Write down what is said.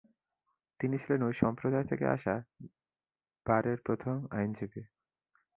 তিনি ছিলেন ঐ সম্প্রদায় থেকে আসা বারের প্রথম আইনজীবী।